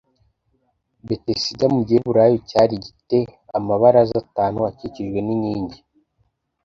Betesida mu giheburayo cyari gi te amabaraza atanu akikijwe n inkingi